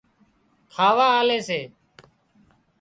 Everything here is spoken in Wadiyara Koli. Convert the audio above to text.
کاواآوي سي